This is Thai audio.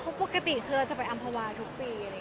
เขาก็ปกติจะไปอำบัวก่อนทุกปี